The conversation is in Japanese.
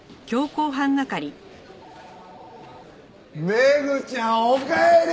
メグちゃんおかえり！